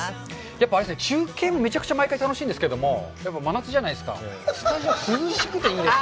やっぱ中継めちゃくちゃ毎回楽しいんですけども真夏じゃないですかスタジオ涼しくていいですよね